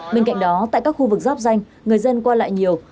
bên cạnh đó tại các khu vực giáp danh người dân qua lại nhiều